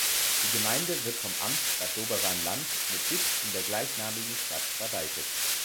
Die Gemeinde wird vom Amt Bad Doberan-Land mit Sitz in der gleichnamigen Stadt verwaltet.